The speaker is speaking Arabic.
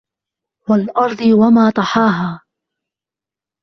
وَالْأَرْضِ وَمَا طَحَاهَا